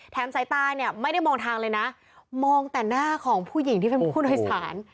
สายตาเนี่ยไม่ได้มองทางเลยนะมองแต่หน้าของผู้หญิงที่เป็นผู้โดยสาร